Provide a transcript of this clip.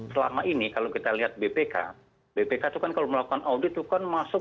selama ini kalau kita lihat bpk bpk itu kan kalau melakukan audit itu kan masuk